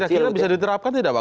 kira kira bisa diterapkan tidak pak